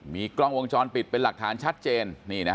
มีกล้องวงจรปิดเป็นหลักฐานชัดเจน